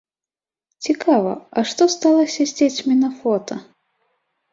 Цікава, а што сталася з дзецьмі на фота?